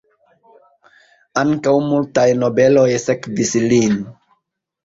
Ankaŭ multaj nobeloj sekvis lin.